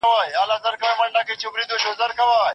کتاب د ماشوم د تخیل پراخولو وسیله ده.